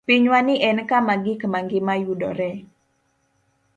Pinywani en kama gik ma ngima yudoree.